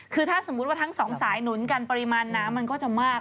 คือถ้าสมมุติว่าทั้งสองสายหนุนกันปริมาณน้ำมันก็จะมาก